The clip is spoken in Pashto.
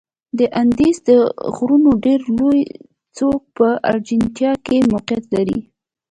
د اندیز د غرونو ډېره لوړه څوکه په ارجنتاین کې موقعیت لري.